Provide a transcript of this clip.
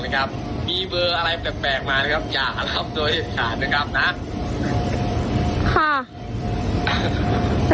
นะครับมีเบอร์อะไรแปลกแปลกมานะครับอย่าหลับโดยศาลนะครับนะค่ะ